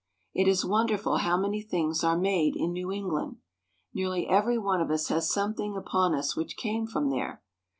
It is wonderful how many things are made in New Eng land. Nearly every one of us has something upon us which came from there.